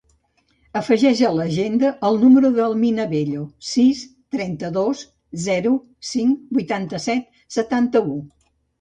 Afegeix a l'agenda el número de l'Amina Bello: sis, trenta-dos, zero, cinc, vuitanta-set, setanta-u.